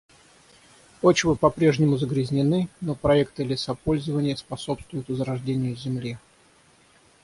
Почвы по-прежнему загрязнены, но проекты лесопользования способствуют возрождению земли.